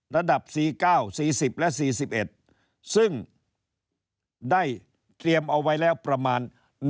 ๔๙๔๐และ๔๑ซึ่งได้เตรียมเอาไว้แล้วประมาณ